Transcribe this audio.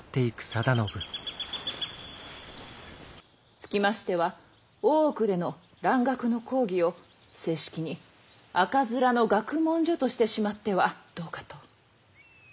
つきましては大奥での蘭学の講義を正式に赤面の学問所としてしまってはどうかと。